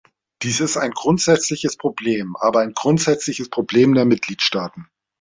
Dies ist ein grundsätzliches Problem, aber ein grundsätzliches Problem der Mitgliedstaaten.